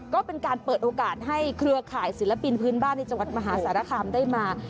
ก็เป็นการเปิดโอกาสให้เครือข่ายศิลปินพื้นบ้านในจังหวัดมหาสารคามได้มา